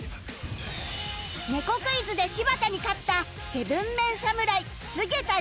ねこクイズで柴田に勝った ７ＭＥＮ 侍菅田琳寧